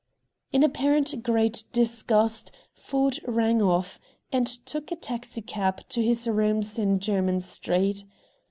In apparent great disgust Ford rang off, and took a taxicab to his rooms in Jermyn Street.